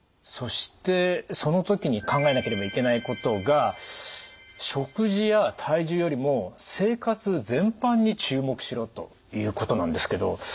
そしてその時に考えなければいけないことが「食事や体重よりも生活全般に注目」しろということなんですけど。